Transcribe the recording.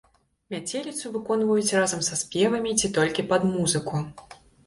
Мяцеліцу выконваюць разам са спевамі ці толькі пад музыку.